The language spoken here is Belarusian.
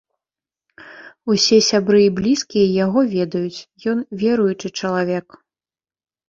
Усе сябры і блізкія яго ведаюць, ён веруючы чалавек.